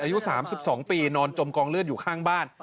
อายุ๓๒ปีนอนจมกองเลือดอยู่ข้างบ้าน